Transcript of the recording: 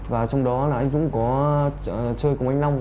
và trong đó là anh dũng có chơi cùng anh long